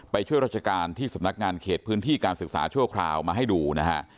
ช่วยราชการที่สำนักงานเขตพื้นที่การศึกษาชั่วคราวมาให้ดูนะฮะ